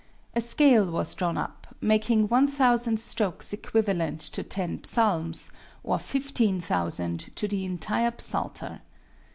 A scale was drawn up, making one thousand strokes equivalent to ten psalms, or fifteen thousand to the entire psalter.